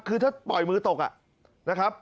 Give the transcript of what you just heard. คือถ้าปล่อยมือตกนะครับ